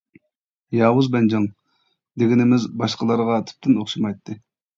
«ياۋۇز بەنجاڭ» دېگىنىمىز باشقىلارغا تۈپتىن ئوخشىمايتتى.